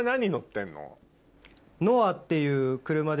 っていう車で。